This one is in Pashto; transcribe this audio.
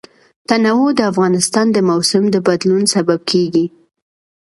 تنوع د افغانستان د موسم د بدلون سبب کېږي.